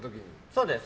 そうです。